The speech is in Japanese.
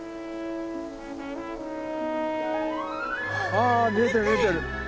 あ見えてる見えてる。